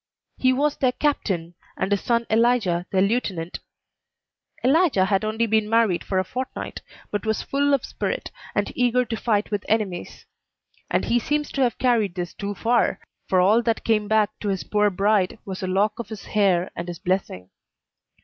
He was their captain, and his son Elijah their lieutenant. Elijah had only been married for a fortnight, but was full of spirit, and eager to fight with enemies; and he seems to have carried this too far; for all that came back to his poor bride was a lock of his hair and his blessing.